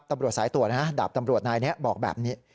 ตำรวจสายตรวจนะฮะดาบตำรวจนายนี้บอกแบบนี้